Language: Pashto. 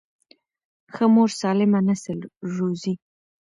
ښه مور سالم نسل روزي.